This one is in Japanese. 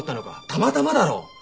たまたまだろ。